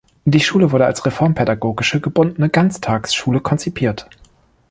Die Schule wurde als reformpädagogische gebundene Ganztagsschule konzipiert.